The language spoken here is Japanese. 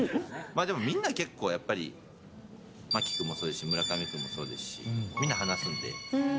でもみんな、結構やっぱり、牧君もそうですし、村上君もそうですし、みんな話すんで。